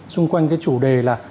xung quanh cái chủ đề là